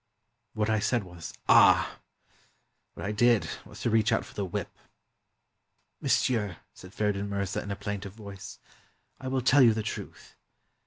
What I said was "Ah!" What I did was to reach out for the whip. "Monsieur," said Feridun Mirza in a plaintive voice, "I will tell you the truth.